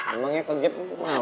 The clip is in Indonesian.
emangnya kegep maling atau apa